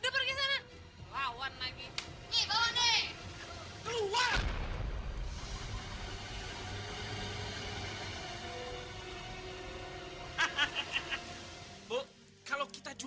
baik selesai selesai